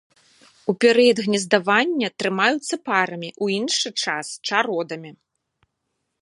У перыяд гнездавання трымаюцца парамі, у іншы час чародамі.